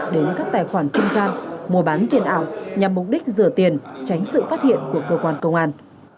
đến các tài khoản trung gian mua bán tiền ảo nhằm mục đích rửa tiền tránh sự phát hiện của cơ quan công an